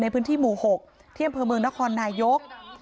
ในพื้นที่หมู่๖ที่อำเภอเมืองนครนายก